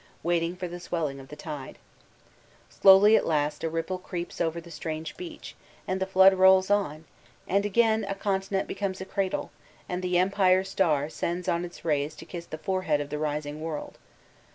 waiting for the swelling of the tide. Slowly at hit a ripple creeps up over the strange beach, and the flood rolls on, and again a continent becomes a cradle, and die Empire Star sends on its rays to loss the forehead of the rising world.